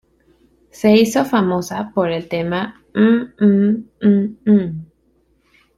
Se hizo famosa por el tema ""Mmm Mmm Mmm Mmm"".